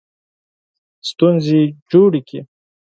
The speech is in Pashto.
ستونزې جوړې کړې.